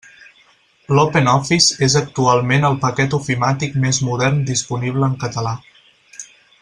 L'OpenOffice és actualment el paquet ofimàtic més modern disponible en català.